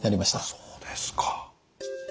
そうですか。